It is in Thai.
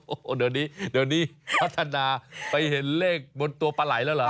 โอ้โหเดี๋ยวนี้เดี๋ยวนี้พัฒนาไปเห็นเลขบนตัวปลาไหล่แล้วเหรอ